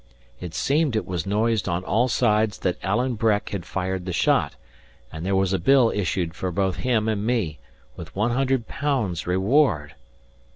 It seemed it was noised on all sides that Alan Breck had fired the shot; and there was a bill issued for both him and me, with one hundred pounds reward.